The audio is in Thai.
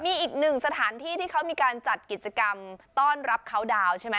มีอีกหนึ่งสถานที่ที่มีการจัดกิจกรรมต้อนรับคราวดาว